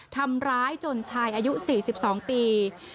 ทำร้ายจนชายอายุ๔๒ปี